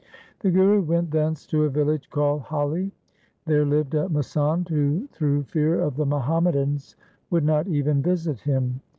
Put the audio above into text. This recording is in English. The Guru went thence to a village called Hali. There lived a masand who through fear of the Muham madans would not even visit him.